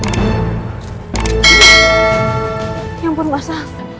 ya ampun mas al